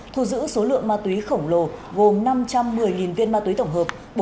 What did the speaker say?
thu giữ số lượng ma túy khổng lồ gồm năm trăm một mươi viên ma túy tổng hợp